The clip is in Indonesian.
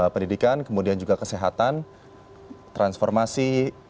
pendidikan kemudian juga kesehatan transformasi